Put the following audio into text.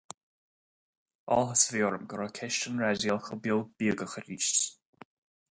Áthas a bhí orm go raibh ceist an raidió chomh beo bíogach arís.